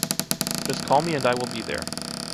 Just call me and I will be there.